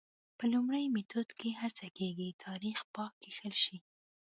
په لومړي میتود کې هڅه کېږي تاریخ پاک کښل شي.